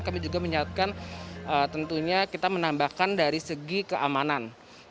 kami juga menyiapkan tentunya kita menambahkan dari segi keamanan